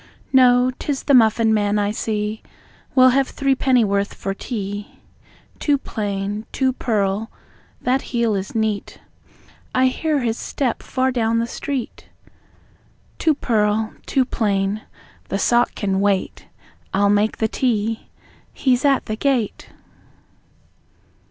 No. 'Tis the muffin man I see; We'll have threepennyworth for tea. Two plain two purl; that heel is neat. (I hear his step far down the street.) Two purl two plain. The sock can wait; I'll make the tea. (He's at the gate!)